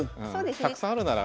たくさんあるなら。